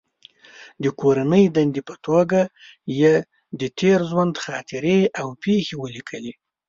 د کورنۍ دندې په توګه یې د تېر ژوند خاطرې او پېښې ولیکلې.